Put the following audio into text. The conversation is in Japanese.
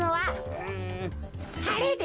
うんはれです。